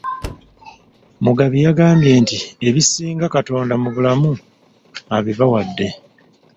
Mugabi yagambye nti ebisinga Katonda mu bulamu abibawadde